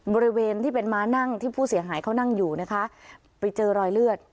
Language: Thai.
บริเวณที่เป็นม้านั่งที่ผู้เสียหายเขานั่งอยู่นะคะไปเจอรอยเลือด